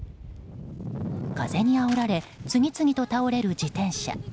風にあおられ次々と倒れる自転車。